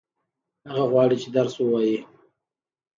هغه غواړي چې درس ووايي.